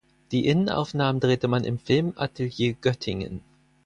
Die Innenaufnahmen drehte man im Filmatelier Göttingen.